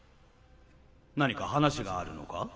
何か話があるのか？